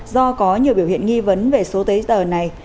do có nhiều biểu hiện nghi vấn về số giấy tờ này